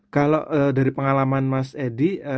kalau dari pengalaman mas edi